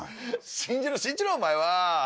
信じろ信じろお前は。